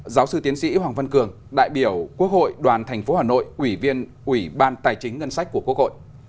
giáo sư tiến sĩ hoàng văn cường đại biểu quốc hội đoàn tp hà nội ủy viên ủy ban tài chính ngân sách của quốc hội